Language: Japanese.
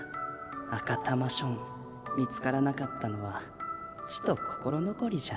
アカタマション見つからなかったのはちと心のこりじゃ。